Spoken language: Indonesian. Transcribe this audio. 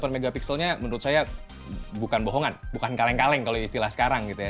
delapan mp nya menurut saya bukan bohongan bukan kaleng kaleng kalau istilah sekarang gitu ya